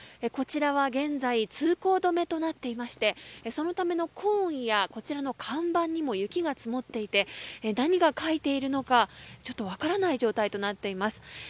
こちらは現在通行止めとなっていましてそのためのコーンやこちらの看板にも雪が積もっていて何が書いているのか分からない状態となっています。